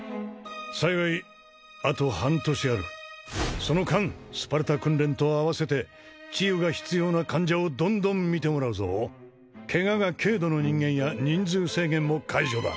幸いあと半年あるその間スパルタ訓練と併せて治癒が必要な患者をどんどん診てもらうぞケガが軽度の人間や人数制限も解除だ！